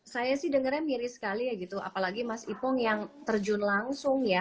saya sih dengarnya mirip sekali ya gitu apalagi mas ipong yang terjun langsung ya